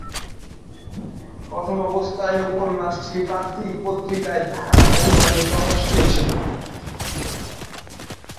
প্রথমাবস্থায় উপন্যাসটি প্রান্তিক পত্রিকায় ধারাবাহিকভাবে প্রকাশ পেয়েছিল।